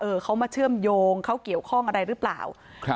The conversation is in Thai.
เขามาเชื่อมโยงเขาเกี่ยวข้องอะไรหรือเปล่าครับ